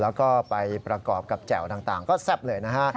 แล้วก็ไปประกอบกับแจ่วต่างก็แซ่บเลยนะฮะ